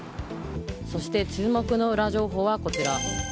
そして、注目のウラ情報はこちら。